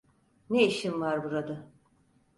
Ne işim var burada?